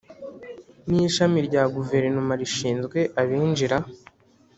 Ni ishami rya guverinoma rishinzwe abinjira